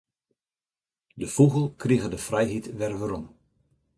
De fûgel krige de frijheid wer werom.